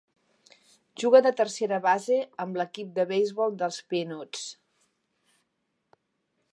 Juga de tercera base amb l'equip de beisbol dels Peanuts.